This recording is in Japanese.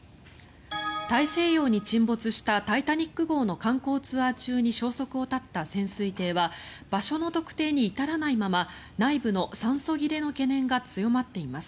大西洋に沈没した「タイタニック号」の観光ツアー中に消息を絶った潜水艇は場所の特定に至らないまま内部の酸素切れの懸念が強まっています。